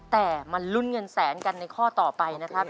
แต่มาลุ้นเงินแสนกันในข้อต่อไปนะครับ